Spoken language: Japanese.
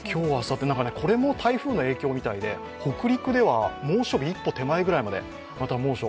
これも台風の影響みたいで北陸では猛暑日一歩手前ぐらいまでまた猛暑、